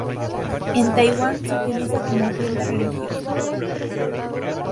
En Taiwán se utiliza como ofrenda religiosa.